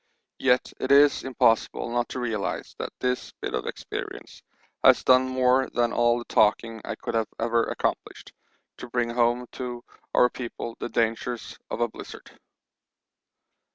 Yet it is impossible not to realise that this bit of experience has done more than all the talking I could have ever accomplished to bring home to our people the dangers of a blizzard.